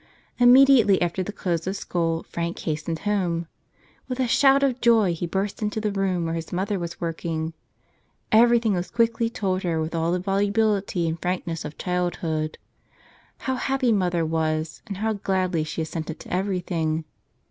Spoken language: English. Immediately after the close of school Frank hastened home. With a shout of joy he burst into the room where his mother was working. Everything was quickly told her with all the volubility and frankness of childhood. How happy mother was, and how gladly she assented to everything!